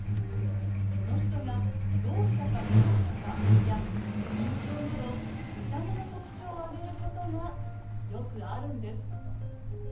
その人がろう者か聴者かや身長など見た目の特徴を挙げることがよくあるんです。